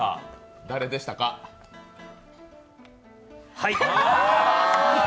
はい。